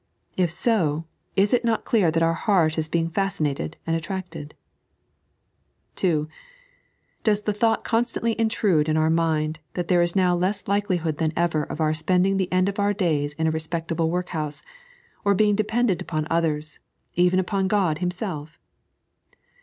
If bo, is it not clear that our heart is being fascinated and attracted ? (3) Does the thought constantly intrude in our mind that there is now less likelihood than ever of our spending the end of our days in a respectable workhouse, or being dependent upon others, even upon Ood Himself